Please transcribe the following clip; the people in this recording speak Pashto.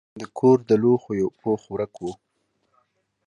د کور د لوښو یو پوښ ورک و.